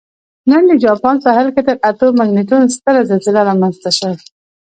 نن د جاپان ساحل کې تر اتو مګنیټیوډ ستره زلزله رامنځته شوې